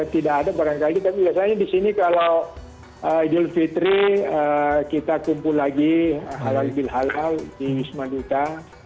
tidak ada barangkali tapi biasanya di sini kalau idul fitri kita kumpul lagi halal bil halal di wisma duta